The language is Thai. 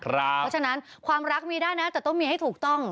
เพราะฉะนั้นความรักมีได้นะแต่ต้องมีให้ถูกต้อง